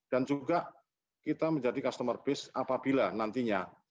dan juga kita menjadi customer base apabila nantinya